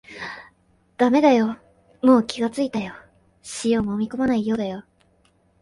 だめだよ、もう気がついたよ、塩をもみこまないようだよ